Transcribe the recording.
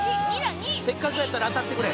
せっかくやったら当たってくれ。